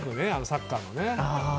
サッカーの。